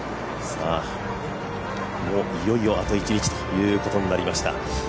いよいよあと１日ということになりました。